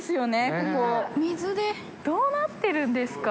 複截腺邸どうなってるんですか？